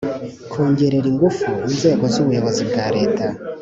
kongerera ingufu inzego z'ubuyobozi bwa leta.